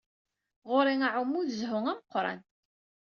Ɣer-i, aɛumu d zzhu ameqran.